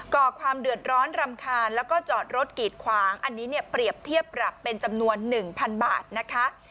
ก่อความเดือดร้อนรำคาญแล้วก็จอดรถกีดขวางอันนี้เนี่ยเปรียบเทียบปรับเป็นจำนวน๑๐๐๐บาทนะคะ